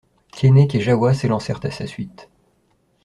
Keinec et Jahoua s'élancèrent à sa suite.